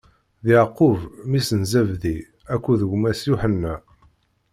D Yeɛqub, mmi-s n Zabdi akked gma-s Yuḥenna.